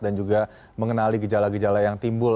dan juga mengenali gejala gejala yang timbul